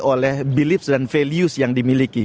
oleh bilips dan values yang dimiliki